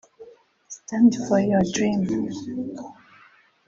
“Stand for your dream